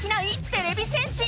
てれび戦士。